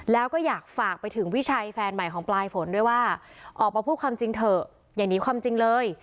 แล้วก็อยากฝากไปถึงวิชัยแฟนใหม่ของปลายฝนด้วยว่าออกมาพูดความจริงเถอะอย่าหนีความจริงเลย